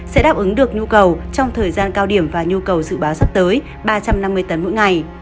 sẽ đáp ứng được nhu cầu trong thời gian cao điểm và nhu cầu dự báo sắp tới ba trăm năm mươi tấn mỗi ngày